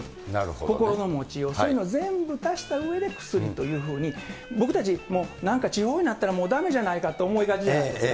心の持ちよう、そういうのを全部足したうえで、薬というふうに、僕たち、もうなんか痴ほうになったら、もうだめじゃないかと思いがちじゃないですか。